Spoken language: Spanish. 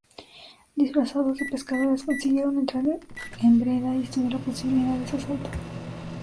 Disfrazados de pescadores consiguieron entrar en Breda y estudiar la posibilidad de su asalto.